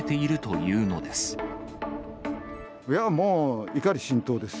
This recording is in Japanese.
それはもう、怒り心頭です。